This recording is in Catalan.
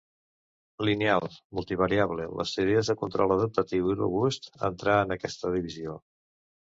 Lineal, multivariable, les teories de control adaptatiu i robust entrar en aquesta divisió.